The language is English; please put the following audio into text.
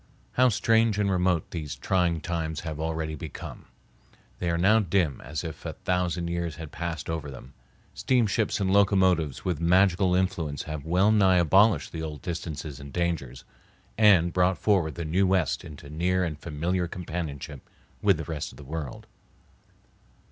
How strange and remote these trying times have already become! They are now dim as if a thousand years had passed over them. Steamships and locomotives with magical influence have well nigh abolished the old distances and dangers, and brought forward the New West into near and familiar companionship with the rest of the world.